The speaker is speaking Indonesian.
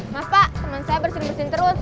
mas pak temen saya bersih bersihin terus